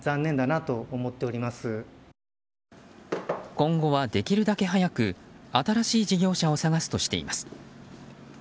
今後はできるだけ早く新しい事業者を探すとしています。